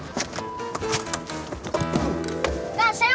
kak saya mau diapain kak